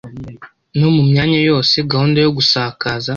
no mu myanya yose, gahunda yo gusakaza